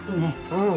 うん。